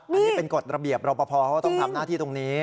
อันนี้เป็นกฎระเบียบรอปภเขาต้องทำหน้าที่ตรงนี้